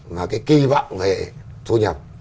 mà cái kỳ vọng về thu nhập